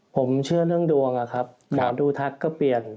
ผมเชื่อเรื่องดวงอะครับหมอดูทักก็เปลี่ยน